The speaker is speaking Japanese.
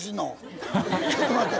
ちょっと待って！